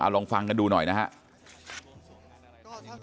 ลองฟังกันดูหน่อยนะครับ